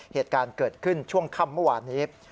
เหตุการณ์เกิดขึ้นช่วงค่ำเมื่อวานนี้